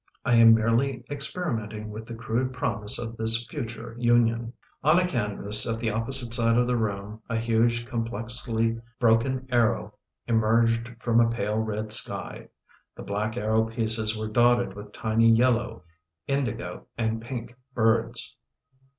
I am merely experimenting with the crude promise of this future union." On a canvas at the opposite side of the room a huge complexly broken arrow emerged from a pale red sky. The black arrow pieces were dotted with tiny yellow, in digo and pink birds.